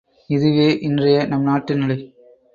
இதுவே, இன்றைய நம்நாட்டு நிலை.